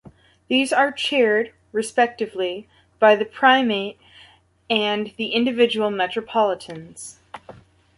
These are chaired, respectively, by the Primate and the individual metropolitans.